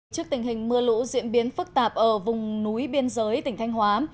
trước tình hình mưa lũ diễn biến phức tạp ở vùng núi biên giới tỉnh thanh hóa